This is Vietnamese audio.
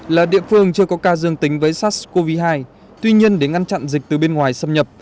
là địa phương chưa có ca dương tính với sars cov hai tuy nhiên để ngăn chặn dịch từ bên ngoài xâm nhập